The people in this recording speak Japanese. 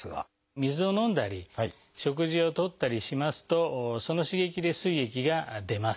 水を飲んだり食事をとったりしますとその刺激ですい液が出ます。